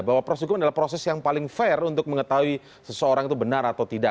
bahwa proses hukum adalah proses yang paling fair untuk mengetahui seseorang itu benar atau tidak